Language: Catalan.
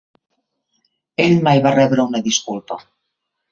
Ell mai va rebre una disculpa.